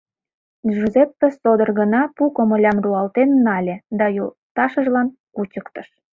Джузеппе содор гына пу комылям руалтен нале да йолташыжлан кучыктыш.